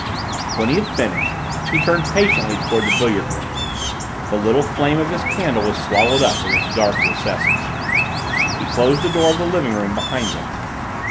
When he had finished he turned patiently toward the billiard room the little flame of his candle was swallowed up in its dark recesses he closed the door of the living room behind him.